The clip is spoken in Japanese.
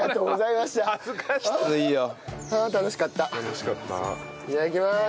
いただきます。